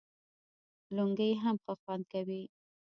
لنګۍ هم ښه خوند کوي